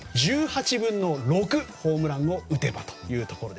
１８分の６、ホームランを打てばというところ。